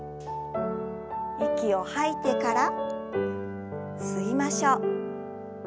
息を吐いてから吸いましょう。